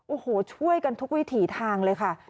โอ้โหช่วยกันทุกวิถีทางเลยค่ะ